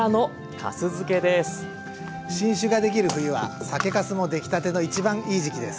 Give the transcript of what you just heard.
新酒ができる冬は酒かすも出来たての一番いい時期です。